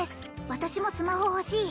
私もスマホ欲しい！